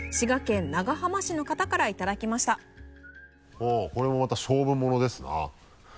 おぉこれもまた勝負ものですな。